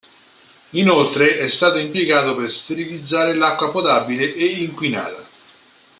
Inoltre è stato impiegato per sterilizzare l'acqua potabile e inquinata.